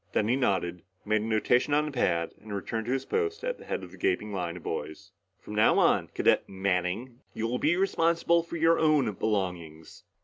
Then he nodded, made a notation on a pad and returned to his post at the head of the gaping line of boys. "From now on, Candidate Manning, you will be responsible for your own belongings."